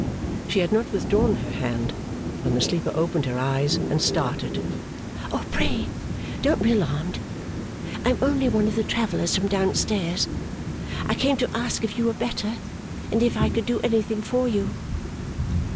She had not withdrawn her hand, when the sleeper opened her eyes and started. 'Pray don't be alarmed. I am only one of the travellers from down stairs. I came to ask if you were better, and if I could do anything for you.